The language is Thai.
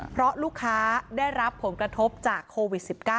เพราะลูกค้าได้รับผลกระทบจากโควิด๑๙